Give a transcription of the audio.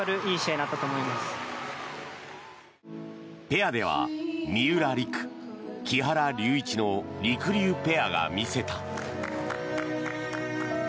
ペアでは三浦璃来・木原龍一のりくりゅうペアが見せた。